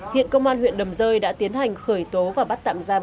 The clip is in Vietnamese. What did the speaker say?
hiện công an huyện đầm dây đã tiến hành khởi tố và bắt tạm giam các đối tượng